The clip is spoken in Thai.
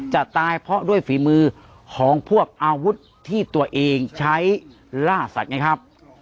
จะตายเพราะด้วยฝีมือของพวกอาวุธที่ตัวเองใช้ล่าสัตว์ไงครับ